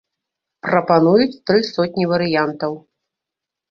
Прапануюць тры сотні варыянтаў.